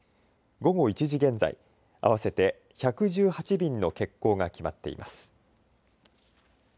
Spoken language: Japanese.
午後１時現在、合わせて１１８便の欠航が決まっています。